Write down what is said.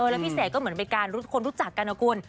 แล้วพี่เสกก็เหมือนเป็นการคนรู้จักกันนะคุณ